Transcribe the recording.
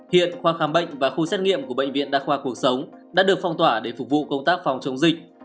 hiện khoa khám bệnh và khu xét nghiệm của bệnh viện đa khoa cuộc sống đã được phong tỏa để phục vụ công tác phòng chống dịch